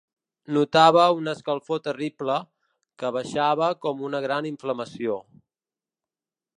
Notava una escalfor terrible, que baixava com una gran inflamació.